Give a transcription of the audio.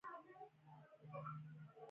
علم د ژوند اساس جوړوي